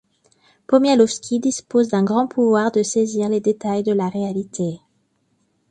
Pomialovski dispose d'un grand pouvoir de saisir les détails de la réalité.